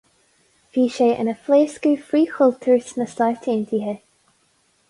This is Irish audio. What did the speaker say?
Bhí sé ina phléascadh frithchultúir sna Stáit Aontaithe.